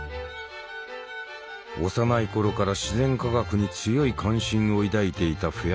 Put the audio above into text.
幼い頃から自然科学に強い関心を抱いていたフェア